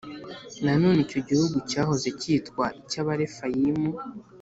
Nanone icyo gihugu cyahoze cyitwa icy’Abarefayimu. (